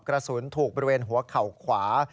กระสุนถูกบริเวณหัวเข่าขวา